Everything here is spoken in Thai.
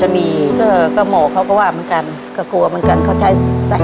ทับผลไม้เยอะเห็นยายบ่นบอกว่าเป็นยังไงครับ